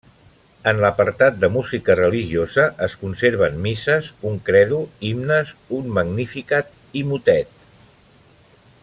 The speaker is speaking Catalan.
En l'apartat de música religiosa, es conserven misses, un credo, himnes, un magnificat i motet.